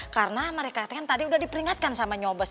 karena mereka tadi kan udah diperingatkan sama nyobes